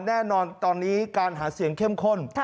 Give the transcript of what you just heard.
แน่นอนตอนนี้การหาเสียงเข้มข้น